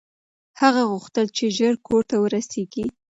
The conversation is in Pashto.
هغه غوښتل چې ژر کور ته ورسېږي.